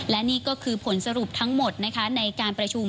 และนี่ก็คือผลสรุปทั้งหมดนะคะในการประชุม